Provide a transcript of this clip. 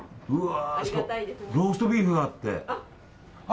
ローストビーフがあって。